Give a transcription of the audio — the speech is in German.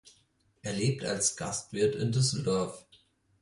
Er lebt als Gastwirt in Düsseldorf.